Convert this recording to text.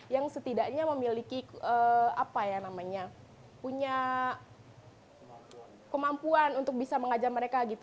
yang setidaknya memiliki apa ya namanya punya kemampuan untuk bisa mengajar mereka gitu